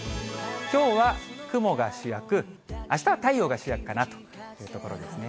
きょうは雲が主役、あしたは太陽が主役かなというところですね。